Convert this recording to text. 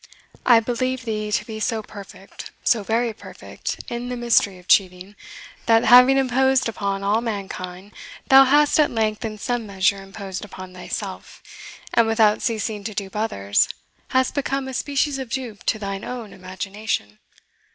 I believe thee to be so perfect so very perfect in the mystery of cheating, that, having imposed upon all mankind, thou hast at length in some measure imposed upon thyself, and without ceasing to dupe others, hast become a species of dupe to thine own imagination.